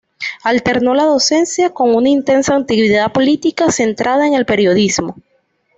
Alternó la docencia con una intensa actividad política centrada en el periodismo.